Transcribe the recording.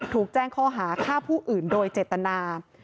ถูกแจ้งข้อหาฆ่าผู้อื่นโดยเจตนา